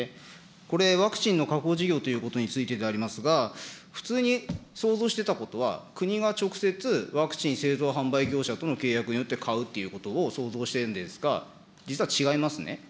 これ、ワクチンの確保事業ということについてでありますが、普通に想像してたことは、国が直接、ワクチン製造販売業者との契約によって買うということを想像してるんですが、実は違いますね。